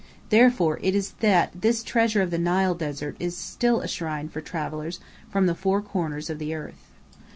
Therefore is it that this treasure of the Nile desert is still a shrine for travellers from the four corners of the earth.